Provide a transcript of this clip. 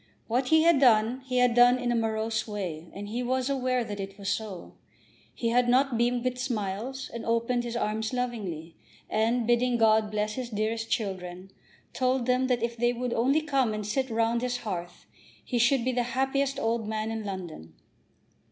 What he had done, he had done in a morose way, and he was aware that it was so. He had not beamed with smiles, and opened his arms lovingly, and, bidding God bless his dearest children, told them that if they would only come and sit round his hearth he should be the happiest old man in London.